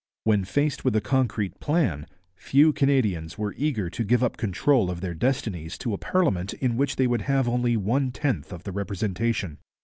When faced with a concrete plan, few Canadians were eager to give up control of their destinies to a parliament in which they would have only one tenth of the representation.